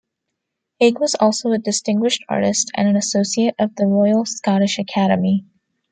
Haig was also a distinguished artist and an Associate of the Royal Scottish Academy.